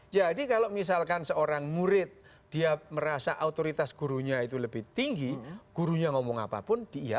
jadi kalau misalkan seorang murid dia merasa otoritas gurunya itu lebih tinggi gurunya ngomong apa pun dia